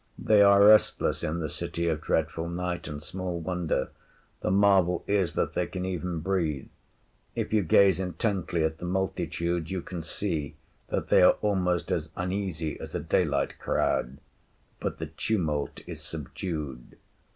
They are restless in the City of Dreadful Night; and small wonder. The marvel is that they can even breathe. If you gaze intently at the multitude, you can see that they are almost as uneasy as a daylight crowd; but the tumult is subdued.